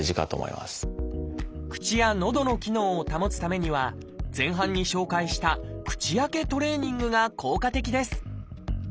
口やのどの機能を保つためには前半に紹介した口開けトレーニングが効果的です。